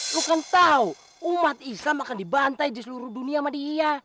lo kan tahu umat islam akan dibantai diseluruh dunia sama dia